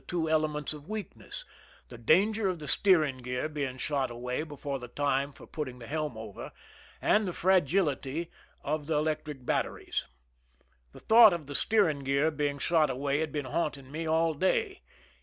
two elements of weakness, the danger of the steer ing gear being shot away before the time for put ting the helm over, and the fragility of the electric batteries. The thought of the steering gear being shot away had been haunting me all day.